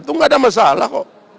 itu nggak ada masalah kok